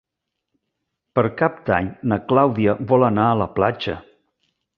Per Cap d'Any na Clàudia vol anar a la platja.